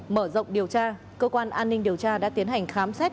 mở rộng điều tra cơ quan an ninh điều tra đã tiến hành khám xét